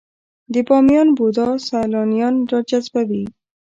د بامیان بودا سیلانیان راجذبوي؟